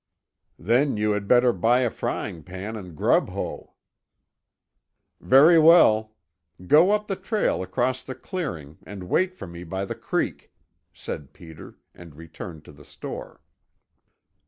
"Then you had better buy a frying pan and grub hoe." "Very well. Go ahead up the trail across the clearing and wait for me by the creek," said Peter and returned to the store.